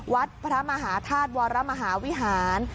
วัดพระมหาธาตุวรมหาวิหาร